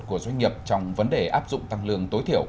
của doanh nghiệp trong vấn đề áp dụng tăng lương tối thiểu